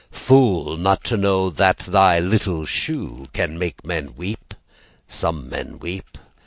Fool, not to know that thy little shoe Can make men weep! Some men weep.